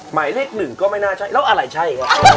หมายเลข๑ก็ไม่น่าใช่แล้วอะไรใช่